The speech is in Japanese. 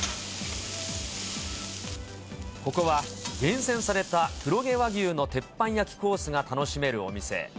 ここは厳選された黒毛和牛の鉄板焼きコースが楽しめるお店。